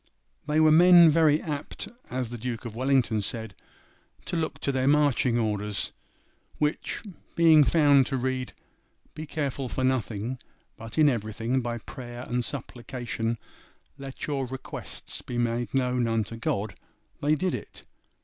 They were men very apt, as the Duke of Wellington said, to 'look to their marching orders;' which, being found to read, 'be careful for nothing, but in everything by prayer and supplication let your requests be made known unto God,' they did it.